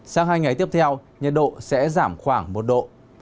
sang hai ngày tiếp theo nhiệt độ sẽ giảm khoảng một độ